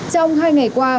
trong hai ngày qua